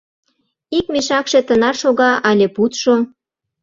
— Ик мешакше тынар шога але пудшо?